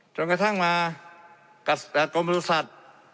จนกระทั่งมากับกรมบริษัท